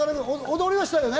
踊りはしたよね？